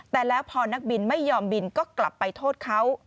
แต่แล้วพอนักบินไม่ยอมบินก็กลับไปโทษเขา